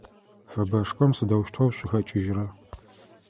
Фэбэшхом сыдэущтэу шъухэкIыжьрэ?